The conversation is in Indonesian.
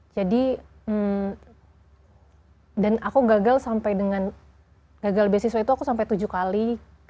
jadi dan aku gagal sampai dengan gagal beasiswa itu aku sampai tujuh kali